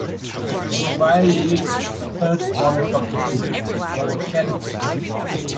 Rowville Lakes is a third, smaller shopping centre on Kelletts Road.